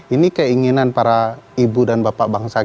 ini keinginan para ibu dan bapak bangsa kita